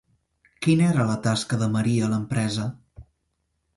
Quina era la tasca de Maria a l'empresa?